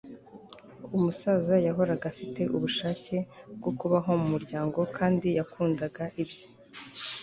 umusaza yahoraga afite ubushake bwo kubaho mumuryango, kandi yakundaga ibye